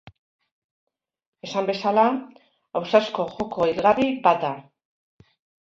Esan bezala, ausazko joko hilgarri bat da.